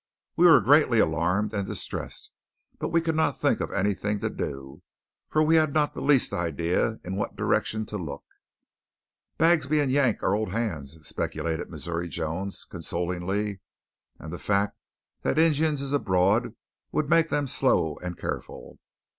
We were greatly alarmed and distressed, but we could not think of anything to do, for we had not the least idea in what direction to look. "Bagsby and Yank are old hands," speculated Missouri Jones consolingly. "And the fact that Injuns is abroad would make them slow and careful."